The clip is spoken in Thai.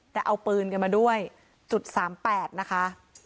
แต่เอาปืนกันมาด้วยจุด๓๘นะคะ